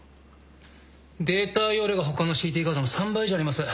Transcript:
データ容量が他のＣＴ画像の３倍以上あります。